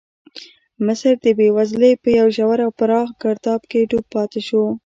مصر د بېوزلۍ په یو ژور او پراخ ګرداب کې ډوب پاتې شو.